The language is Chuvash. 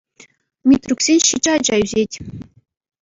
Митрюксен ҫичӗ ача ӳсет.